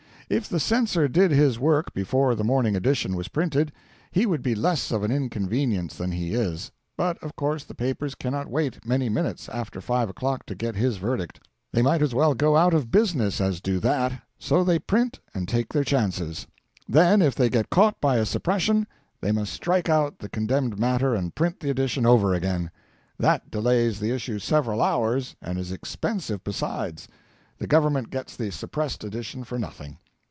If the censor did his work before the morning edition was printed, he would be less of an inconvenience than he is; but, of course, the papers cannot wait many minutes after five o'clock to get his verdict; they might as well go out of business as do that; so they print and take their chances. Then, if they get caught by a suppression, they must strike out the condemned matter and print the edition over again. That delays the issue several hours, and is expensive besides. The Government gets the suppressed edition for nothing.